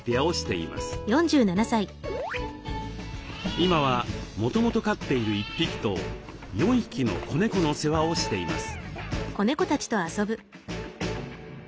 今はもともと飼っている１匹と４匹の子猫の世話をしています。